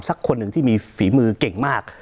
สักคนหนึ่งที่มีฝีมือเก่งมาก